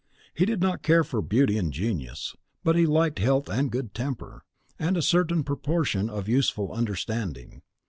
He did not care for beauty and genius, but he liked health and good temper, and a certain proportion of useful understanding.